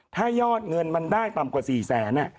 ถ้ายอดเงินมันได้ต่ำกว่า๔๐๐๐๐๐เนี่ย